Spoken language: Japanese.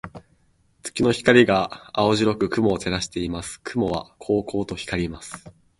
月の光が青白く雲を照らしています。雲はこうこうと光ります。